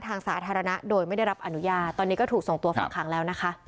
ทางสาธารณะโดยไม่ได้รับอนุญาตตอนนี้ก็ถูกส่งตัวฝักขังแล้วนะคะ